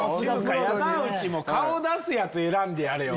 山内も顔出すやつ選んでやれよ。